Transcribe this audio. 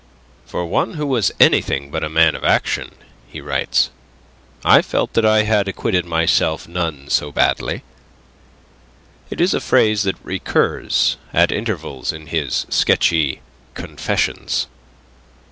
"For one who was anything but a man of action," he writes, "I felt that I had acquitted myself none so badly." It is a phrase that recurs at intervals in his sketchy "Confessions."